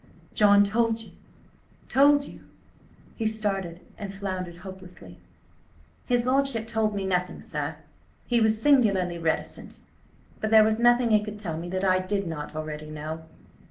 "John told you–told you—" he started, and floundered hopelessly. "His lordship told me nothing, sir. He was singularly reticent. But there was nothing he could tell me that I did not already know."